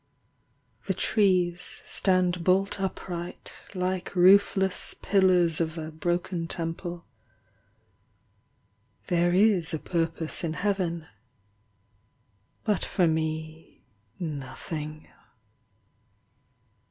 The trees stand bolt upright Like roofless pillars of a broken temple, There is a purpose in Heaven, But for me Nothing.